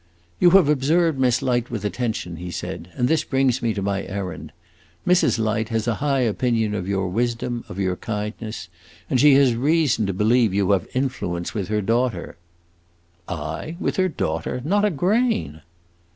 "You have observed Miss Light with attention," he said, "and this brings me to my errand. Mrs. Light has a high opinion of your wisdom, of your kindness, and she has reason to believe you have influence with her daughter." "I with her daughter? Not a grain!"